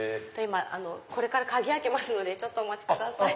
これから鍵開けますのでちょっとお待ちください。